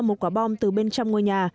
một quả bom từ bên trong ngôi nhà